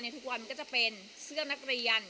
ทุกวันก็จะเป็นเสื้อนักเรียน